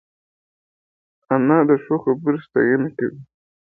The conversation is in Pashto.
انا د ښو خبرو ستاینه کوي